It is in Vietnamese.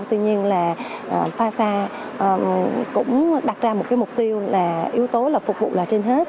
tuy nhiên là phasa cũng đặt ra một cái mục tiêu là yếu tố là phục vụ là trên hết